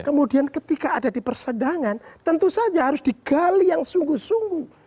kemudian ketika ada di persidangan tentu saja harus digali yang sungguh sungguh